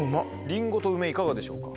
リンゴと梅いかがでしょうか？